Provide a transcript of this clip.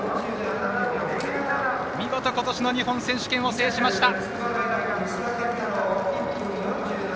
見事、ことしの日本選手権を制しました。